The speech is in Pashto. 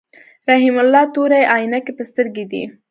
رحیم الله تورې عینکی په سترګو دي.